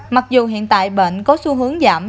mặc dù hiện tại bệnh có xu hướng giảm